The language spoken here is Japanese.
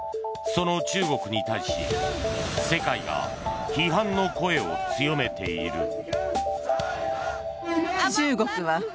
その中国に対し世界が批判の声を強めている。